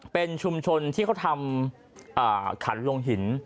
เป็นชุมชนที่เขาทำขันลงหิน